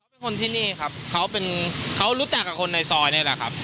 เขาเป็นคนที่นี่เขารู้จักกับคนในซอยนี่แหละครับ